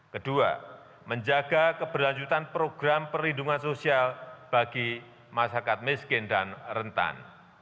kedua menjaga keberlanjutan program perlindungan sosial bagi masyarakat miskin dan rentan